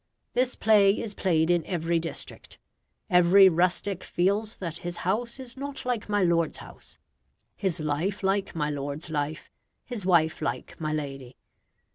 This play is played in every district. Every rustic feels that his house is not like my lord's house; his life like my lord's life; his wife like my lady.